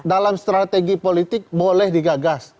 dalam strategi politik boleh digagas